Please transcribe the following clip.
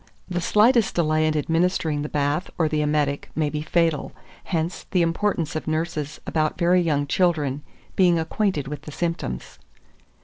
The slightest delay in administering the bath, or the emetic, may be fatal; hence, the importance of nurses about very young children being acquainted with the symptoms.